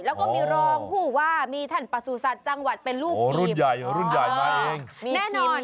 แล้วก็มีรองผู้ว่ามีท่านประสูจน์สัตว์จังหวัดเป็นลูกทีม